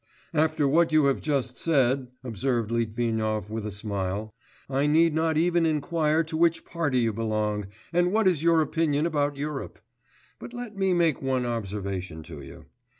'After what you have just said,' observed Litvinov with a smile, 'I need not even inquire to which party you belong, and what is your opinion about Europe. But let me make one observation to you.